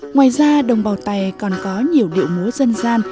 ngoài ra đồng bào tày còn có nhiều điệu múa dân gian